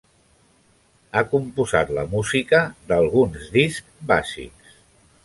Ha composat la música d'alguns discs bàsics.